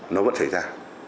nó vẫn xảy ra